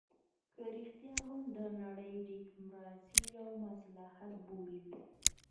که رښتيا هم نړۍ ډيموکراسي یو خصلت بولي.